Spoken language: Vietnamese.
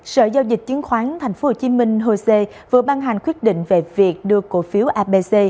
sở giao dịch chiến khoán tp hcm hồ sê vừa ban hành quyết định về việc đưa cổ phiếu abc